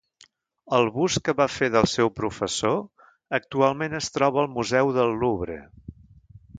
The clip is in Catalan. El bust que va fer del seu professor actualment es troba al museu del Louvre.